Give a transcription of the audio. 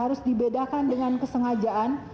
harus dibedakan dengan kesengajaan